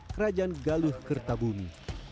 kerajaan galuh kertabumi